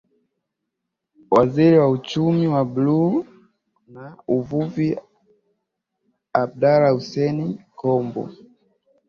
Waziri wa Uchumi wa Buluu na Uvuvi ni Abdulla Hussein Kombo